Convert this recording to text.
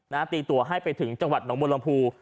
เนอะตีตัวให้ไปถึงจังหวัดหล่อมบรมภูตร์